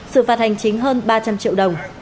sự phạt hành chính hơn ba trăm linh triệu đồng